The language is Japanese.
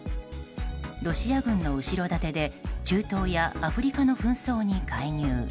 ロシア軍の後ろ盾で中東やアフリカの紛争に介入。